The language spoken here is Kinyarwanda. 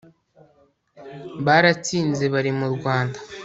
baratsinze barema u rwanda